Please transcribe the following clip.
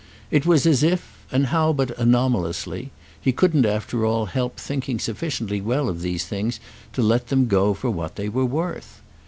It was as if—and how but anomalously?—he couldn't after all help thinking sufficiently well of these things to let them go for what they were worth.